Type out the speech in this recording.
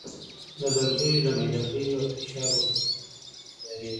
د لرګیو له میده ګیو او فشار ورکولو څخه تیاریږي.